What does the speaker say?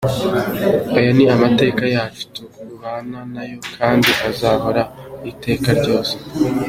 Aya ni amateka yacu, tubana nayo kandi azahoraho iteka ryose.